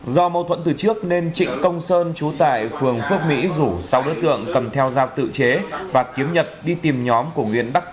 do mâu thuẫn từ trước nên trịnh công sơn trú tại phường phước mỹ rủ sáu đối tượng cầm theo giao tự chế và kiếm nhật đi tìm nhóm của nguyễn bắc tiến